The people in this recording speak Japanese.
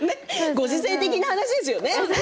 ご時世的な話ですよね。